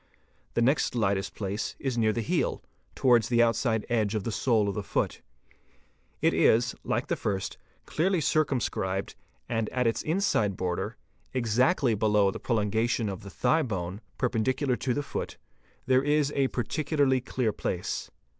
The next lightest place is 'near the heel, towards the outside edge of the sole of the foot. It is, like the first, clearly circumscribed and at its inside border, exactly below the prolongation of the thigh bone, perpendicular to the foot, there is a ) particularly clear place.